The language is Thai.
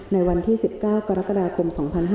ในวันที่๑๙กรกฎาคม๒๕๕๙